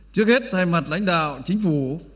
trước hết thay mặt lãnh đạo chính phủ